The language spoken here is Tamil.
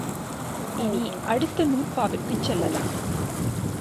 இனி அடுத்த நூற்பாவிற்குச் செல்லலாம்.